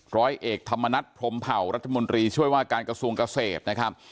ร้อยเอกธรรมนัฐพรมเผารัฐมนตรีช่วยว่าการกระทรวงเกษตรนะครับ